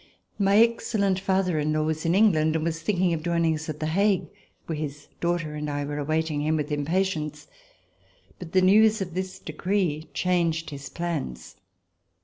My excellent father in law was in England and was thinking of joining us at The Hague where his daughter and I were awaiting him with impatience. But the news of this decree changed his plans.